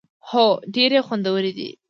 هو، ډیری خوندورې دي